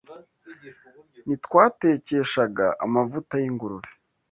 Ntitwatekeshaga amavuta y’ingurube